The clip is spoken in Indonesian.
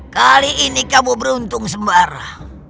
kali ini kamu beruntung sembarang